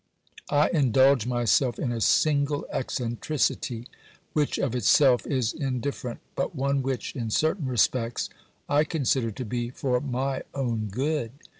I indulge myself in a single eccentricity which of itself is indifferent, but one which, in certain respects, I consider to be for my own good.